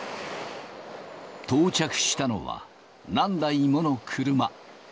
到着したのは、何台もの車。